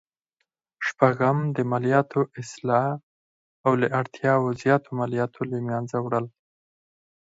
شپږم: د مالیاتو اصلاح او له اړتیا زیاتو مالیاتو له مینځه وړل.